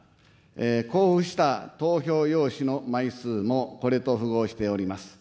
交付した投票用紙の枚数も、これと符合しております。